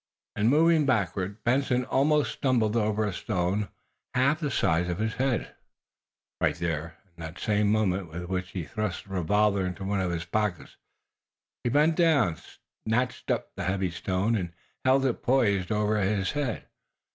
In moving backward Benson almost stumbled over a stone half the size of his head. Right there, in the same movement with which he thrust the revolver into one of his pockets, he bent down, snatched up the heavy stone, and held it poised over his head.